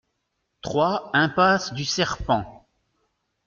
trois impasse du Serpent